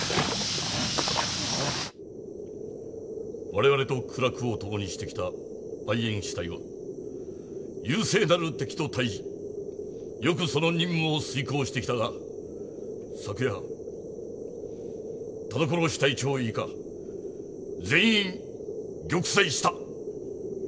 我々と苦楽を共にしてきたバイエン支隊は優勢なる敵と対じよくその任務を遂行してきたが昨夜田所支隊長以下全員玉砕した。